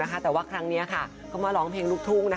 แต่ว่าครั้งนี้เขามาร้องเพลงลูกทุ่ง